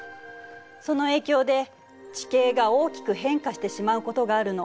その影響で地形が大きく変化してしまうことがあるの。